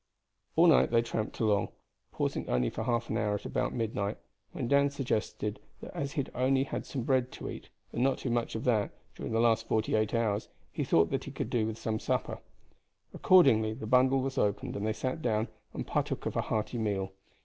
All night they tramped along, pausing only for half an hour about midnight, when Dan suggested that as he had only had some bread to eat and not too much of that during the last forty eight hours, he thought that he could do with some supper. Accordingly the bundle was opened, and they sat down and partook of a hearty meal.